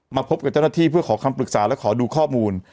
พบกับเจ้าหน้าที่เพื่อขอคำปรึกษาและขอดูข้อมูล